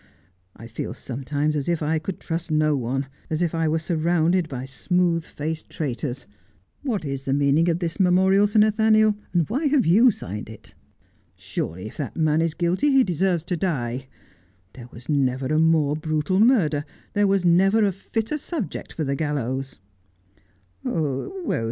I feel sometimes as if I could trust no one — as if I were surrounded by smooth faced traitors. What is the meaning of this memorial, Sir Nathaniel, and why have you signed it 1 Surely if that man is guilty he deserves to die. There was never a more brutal murder — there was never a fitter subject for the gallows.'